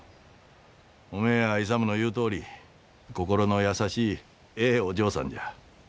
おめえや勇の言うとおり心の優しいええお嬢さんじゃ。